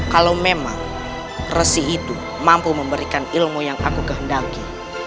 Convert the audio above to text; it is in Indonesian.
kalau memang resi itu mampu memberikan ilmu yang aku kehendaki